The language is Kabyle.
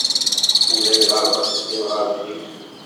Ulayɣer ma teddiḍ ɣer din.